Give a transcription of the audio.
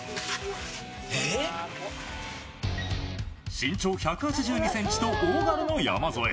身長１８２ｃｍと大柄の山添。